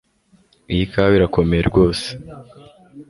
Iyi kawa irakomeye rwose